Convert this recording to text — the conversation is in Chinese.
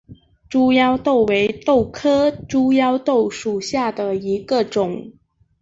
猪腰豆为豆科猪腰豆属下的一个种。